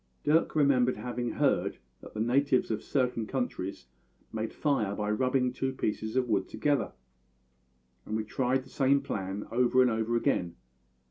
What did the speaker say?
Dirk remembered having heard that the natives of certain countries made fire by rubbing two pieces of wood together, and we tried the same plan over and over again.